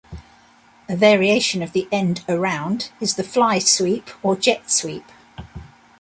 A variation of the end around is the fly sweep or jet sweep.